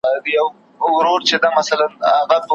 زه تر شمعې سینه وړمه له پیمان سره همزولی